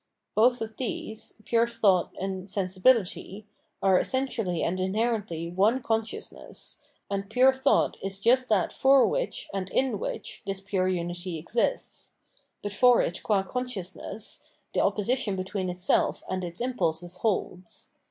Both of these, pure thought and sensibility, are essentially and inherently one consciousness, and pure thought is just that for which and in which this pure unity exists ; but for it ywi consciousness the opposition between itself and its impulses holds.